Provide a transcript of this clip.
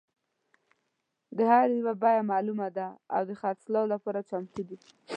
د هر یو بیه معلومه ده او د خرڅلاو لپاره چمتو دي.